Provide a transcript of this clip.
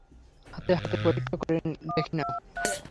হাতে হাতে পরীক্ষা করে দেখে নাও।